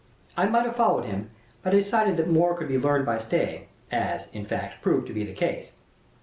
I might have followed him, but I decided that more could be learned by staying, as, in fact, proved to be the case.